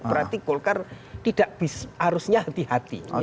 berarti golkar tidak harusnya hati hati